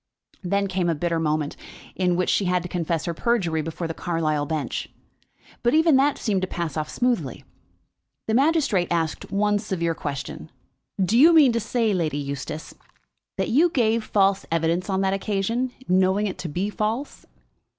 Then came a bitter moment, in which she had to confess her perjury before the Carlisle bench; but even that seemed to pass off smoothly. The magistrate asked one severe question. "Do you mean to say, Lady Eustace, that you gave false evidence on that occasion, knowing it to be false?"